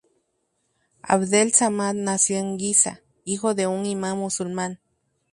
Abdel-Samad nació en Guiza, hijo de un imán musulmán.